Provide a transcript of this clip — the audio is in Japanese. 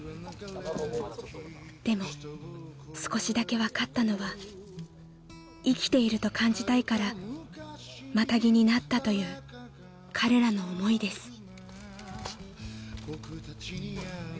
［でも少しだけ分かったのは生きていると感じたいからマタギになったという彼らの思いです］